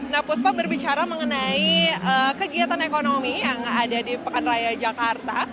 nah puspa berbicara mengenai kegiatan ekonomi yang ada di pekan raya jakarta